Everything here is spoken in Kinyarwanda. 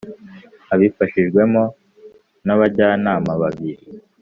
abifashijwemo n Abajyanama babiri